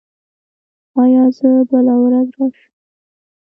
ایا زه بله ورځ راشم؟